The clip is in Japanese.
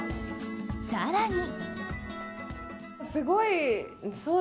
更に。